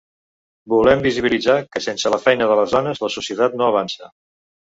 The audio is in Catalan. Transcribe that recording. Volem visibilitzar que sense la feina de les dones la societat no avança.